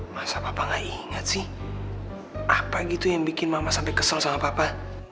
masa papa gak ingat sih apa gitu yang bikin mama sampai kesel sama papa